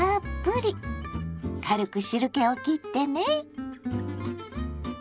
軽く汁けをきってね。